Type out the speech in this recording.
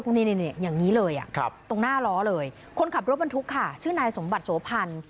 อย่างนี้อย่างนี้เลยตรงหน้าล้อเลยคนขับรถบรรทุกค่ะชื่อนายสมบัติโสพันธ์